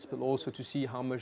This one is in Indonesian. tapi juga untuk melihat